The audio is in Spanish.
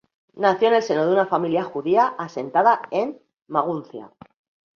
Nació en el seno de una familia judía asentada en Maguncia.